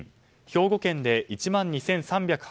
兵庫県で１万２３８２人。